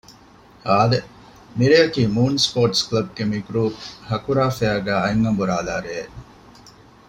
އާދެ! މިރެއަކީ މޫން ސްޕޯރޓްސް ކްލަބްގެ މިގްރޫޕް ހަކުރާފެއަރގައި އަތްއަނބުރާލާ ރެއެއް